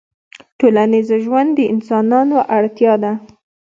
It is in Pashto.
ټولنیز ژوند د انسانانو اړتیا ده